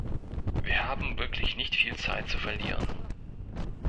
Wir haben wirklich nicht viel Zeit zu verlieren.